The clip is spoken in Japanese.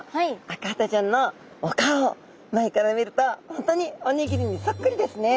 アカハタちゃんのお顔前から見ると本当におにぎりにそっくりですね。